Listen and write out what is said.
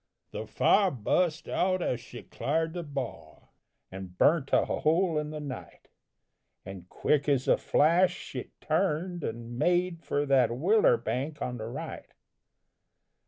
The fire bust out as she clared the bar, And burnt a hole in the night, And quick as a flash she turned, and made For that willer bank on the right.